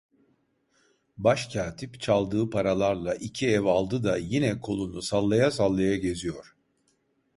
Başkatip çaldığı paralarla iki ev aldı da yine kolunu sallaya sallaya geziyor.